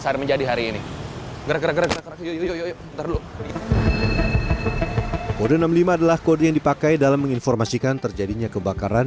sehari menjadi hari ini kode enam puluh lima adalah kode yang dipakai dalam menginformasikan terjadinya kebakaran